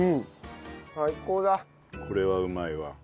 これはうまいわ。